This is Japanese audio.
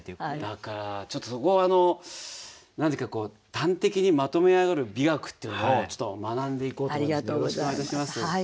だからちょっとそこは何と言うか端的にまとめ上がる美学っていうのをちょっと学んでいこうと思いますのでよろしくお願いいたします。